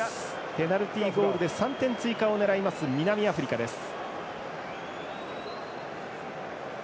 ペナルティゴールで３点追加を狙う南アフリカです。